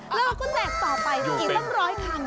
แล้วเราก็แจกต่อไปอีกตั้งร้อยคัน